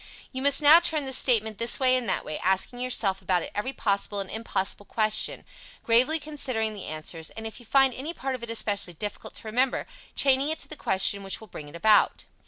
You must now turn this statement this way and that way; asking yourself about it every possible and impossible question, gravely considering the answers, and, if you find any part of it especially difficult to remember, chaining it to the question which will bring it out.